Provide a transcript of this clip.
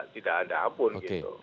tidak ada ampun gitu